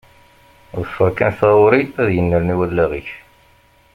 Ḍfeṛ kan taɣuṛi, ad yennerni wallaɣ-ik.